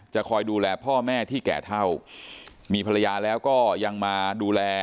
คอยดูแลพ่อแม่ที่แก่เท่ามีภรรยาแล้วก็ยังมาดูแล